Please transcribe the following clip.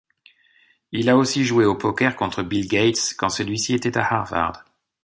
Il a aussi joué au poker contre Bill Gates quand celui-ci était à Harvard.